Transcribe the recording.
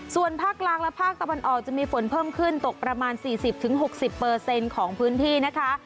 ส่วนภาคกลางและภาคตะวันออกจะมีฝนเพิ่มขึ้นตกประมาณ๔๐๖๐ของพื้นที่นะคะ